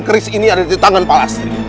keris ini ada di tangan pak lasri